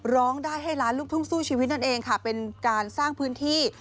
ร้องได้ให้ล้านลูกทุ่งสู้ชีวิตนั่นเองค่ะเป็นการสร้างพื้นที่